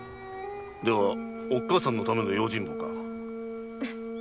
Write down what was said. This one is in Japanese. ではおっかさんの為の用心棒か。